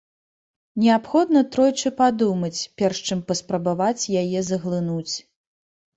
Неабходна тройчы падумаць, перш чым паспрабаваць яе заглынуць.